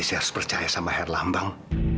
saya harus percaya sama herlambang